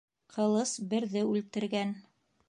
Ҡылыс берҙе үлтергән